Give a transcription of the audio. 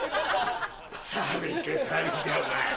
さびてさびてお前。